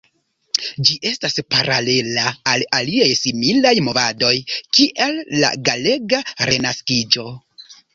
Ĝi estas paralela al aliaj similaj movadoj, kiel la galega Renaskiĝo.